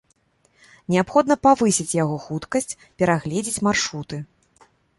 Неабходна павысіць яго хуткасць, перагледзець маршруты.